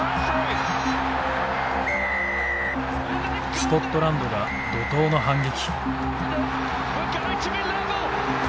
スコットランドが怒とうの反撃。